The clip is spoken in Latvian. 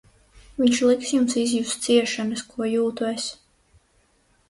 Viņš liks jums izjust ciešanas, ko jūtu es!